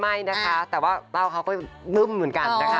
ไม่นะคะแต่ว่าเต้าเขาก็นึ่มเหมือนกันนะคะ